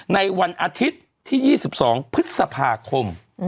ในวันอาทิตย์ที่๒๒พฤษภาคม